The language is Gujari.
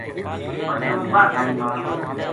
بچوں ! واہ تھاری ماں